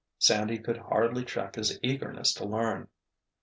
Sandy could hardly check his eagerness to learn.